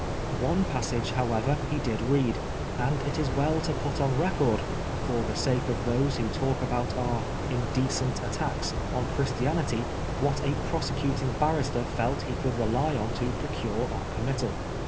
One passage, however, he did read, and it is well to put on record, for the sake of those who talk about our " indecent " attacks on Christianity, what a prosecuting barrister felt he could rely on to procure our committal.